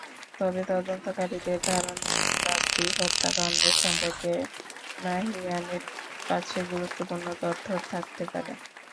তবে তদন্তকারীদের ধারণা, নীলাদ্রি হত্যাকাণ্ড সম্পর্কে নাহিয়ানের কাছে গুরুত্বপূর্ণ তথ্য থাকতে পারে।